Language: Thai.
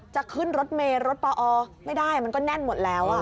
จะขึ้นรถเมย์รถปอไม่ได้มันก็แน่นหมดแล้ว